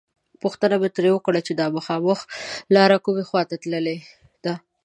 پوښتنه مې ترې وکړه چې دا مخامخ لاره کومې خواته تللې ده.